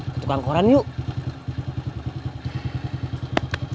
ke tukang koran yuk